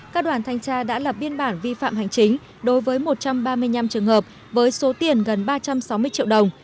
các đoàn thanh tra đã lập biên bản vi phạm hành chính đối với một trăm ba mươi năm trường hợp với số tiền gần ba trăm sáu mươi triệu đồng